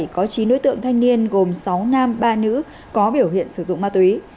có chín đối tượng thanh niên gồm sáu nam ba nữ có biểu hiện sử dụng ma túy